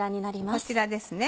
こちらですね。